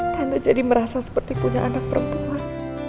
karena jadi merasa seperti punya anak perempuan